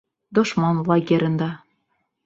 ДОШМАН ЛАГЕРЫНДА